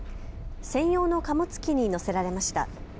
専用の貨物機に乗せられました。